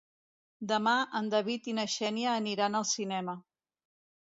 Demà en David i na Xènia aniran al cinema.